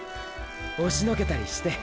おしのけたりして。